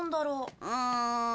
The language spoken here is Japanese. うん。